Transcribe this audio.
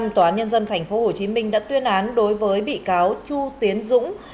tòa nhân dân tp hcm đã tuyên án đối với bị cáo chu tiến dũng